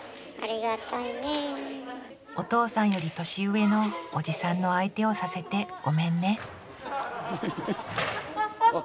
お父さんより年上のおじさんの相手をさせてごめんねああお！